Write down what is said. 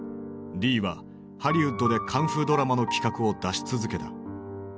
リーはハリウッドでカンフードラマの企画を出し続けた。